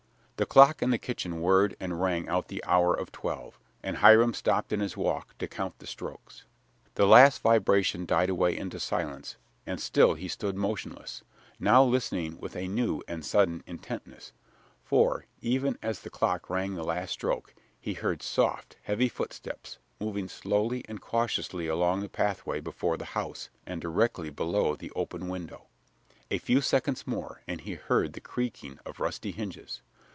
The clock in the kitchen whirred and rang out the hour of twelve, and Hiram stopped in his walk to count the strokes. The last vibration died away into silence, and still he stood motionless, now listening with a new and sudden intentness, for, even as the clock rang the last stroke, he heard soft, heavy footsteps, moving slowly and cautiously along the pathway before the house and directly below the open window. A few seconds more and he heard the creaking of rusty hinges.